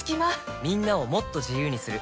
みんなをもっと自由にする「三菱冷蔵庫」